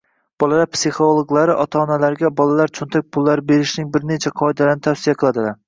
bolalar psixologlari ota-onalarga bolalarga cho‘ntak pullari berishning bir necha qoidalarini tavsiya qiladilar: